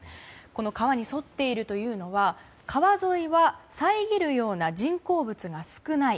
川に沿っているというのは川沿いは遮るような人工物が少ない。